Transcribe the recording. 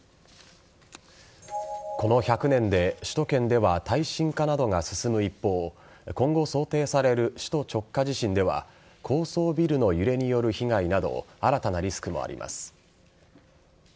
この１００年で首都圏では耐震化などが進む一方今後想定される首都直下地震では高層ビルの揺れによる被害など新たなリスクもあります。